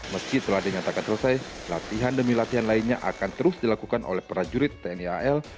meski telah dinyatakan selesai latihan demi latihan lainnya akan terus dilakukan oleh prajurit tni al